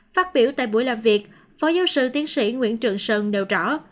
phát biểu tại buổi làm việc phó giáo sư tiến sĩ nguyễn trường sơn đều rõ